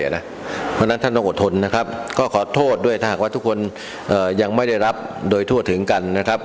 เพราะฉะนั้นท่านต้องอดทนนะครับก็ขอโทษด้วยถ้าหากว่าทุกคนยังไม่ได้รับโดยทั่วถึงกันนะครับ